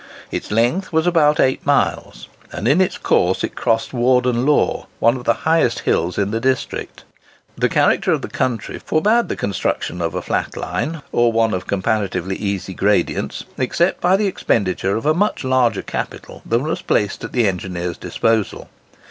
Its length was about eight miles; and in its course it crossed Warden Law, one of the highest hills in the district. The character of the country forbade the construction of a flat line, or one of comparatively easy gradients, except by the expenditure of a much larger capital than was placed at the engineer's disposal.